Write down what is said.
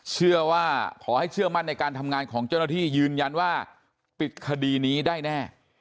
ขอให้เชื่อมั่นในการทำงานของเจ้าหน้าที่ยืนยันว่าปิดคดีนี้ได้แน่